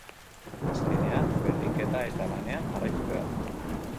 Azkenean, berdinketa eta lanean jarraitu behar.